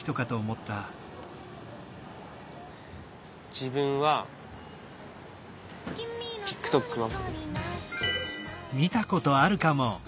自分はＴｉｋＴｏｋの。